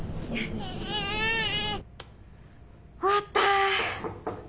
終わった。